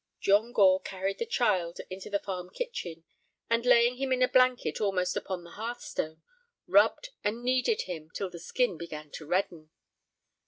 John Gore carried the child into the farm kitchen, and, laying him in a blanket almost upon the hearth stone, rubbed and kneaded him till the skin began to redden.